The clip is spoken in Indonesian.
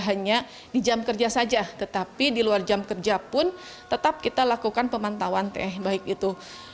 hanya di jam kerja saja tetapi di luar jam kerja pun tetap kita lakukan pemantauan teh baik itu